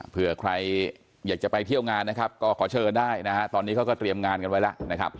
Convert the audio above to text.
เผื่อใครอยากจะไปเที่ยวงานนะครับก็ขอเชิญได้นะฮะตอนนี้เขาก็เตรียมงานกันไว้แล้วนะครับ